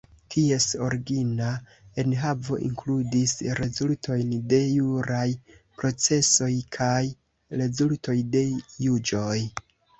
Ties origina enhavo inkludis rezultojn de juraj procesoj kaj rezultoj de juĝoj.